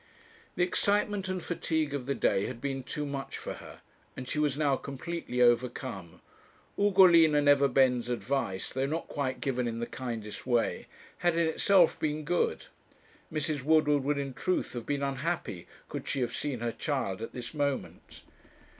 The excitement and fatigue of the day had been too much for her, and she was now completely overcome. Ugolina Neverbend's advice, though not quite given in the kindest way, had in itself been good. Mrs. Woodward would, in truth, have been unhappy could she have seen her child at this moment.